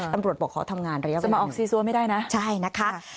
ตำรวจบอกขอทำงานระยะจะมาออกซีซัวไม่ได้นะใช่นะคะ